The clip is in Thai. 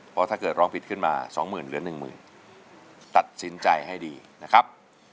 เพราะถ้าเกิดร้องผิดขึ้นมาสองหมื่นเหลือหนึ่งหมื่นตัดสินใจให้ดีนะครับ